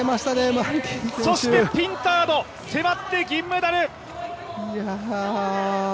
そしてピンタード迫って銀メダル。